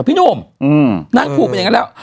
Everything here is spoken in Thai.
พี่หนุ่มนางถูกเป็นอย่างนั้นแล้ว